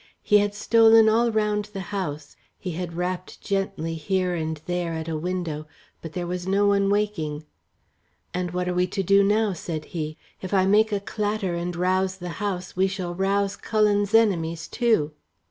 He had stolen all round the house; he had rapped gently here and there at a window, but there was no one waking. "And what are we to do now?" said he. "If I make a clatter and rouse the house, we shall rouse Cullen's enemies, too."